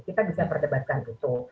kita bisa perdebatkan itu